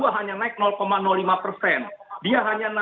artinya pendapatan ini akan berhasil kita bisa lihat sekarang